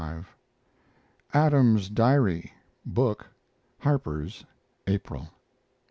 ADAM'S DIARY book (Harpers), April.